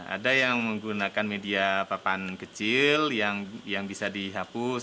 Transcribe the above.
ada yang menggunakan media papan kecil yang bisa dihapus